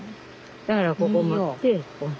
だからここ持ってこう。